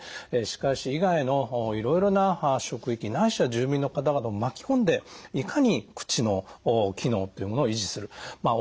歯科医師以外のいろいろな職域ないしは住民の方々も巻き込んでいかに口の機能っていうものを維持するまあ